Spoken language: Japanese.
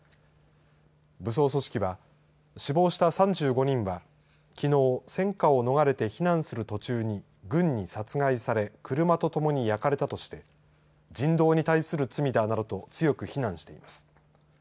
武装組織は死亡した３５人はきのう戦火を逃れて避難する途中に軍に殺害され車とともに焼かれたとして人道に対する罪だなどと強く非難しています。